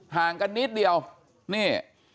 ห่างกันนิดเดียวนี่